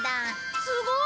すごい！